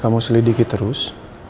kamu selidiki terus